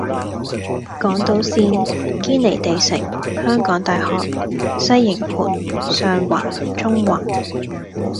港島綫：堅尼地城，香港大學，西營盤，上環，中環